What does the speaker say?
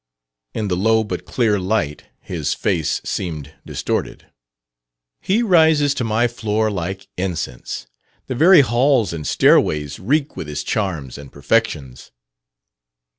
In the low but clear light his face seemed distorted. "He rises to my floor like incense. The very halls and stairways reek with his charms and perfections."